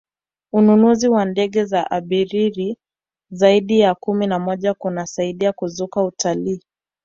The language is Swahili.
ununuzi wa ndege za abiriri zaidi ya kumi na moja kunasaidia kukuza utalii